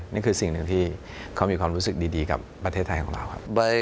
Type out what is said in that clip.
นี่คือสิ่งหนึ่งที่เขามีความรู้สึกดีกับประเทศไทยของเราครับ